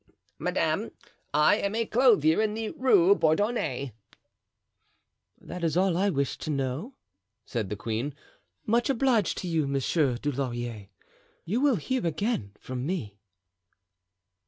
"Madame, I am a clothier in the Rue Bourdonnais." "That is all I wished to know," said the queen. "Much obliged to you, Monsieur Dulaurier. You will hear again from me."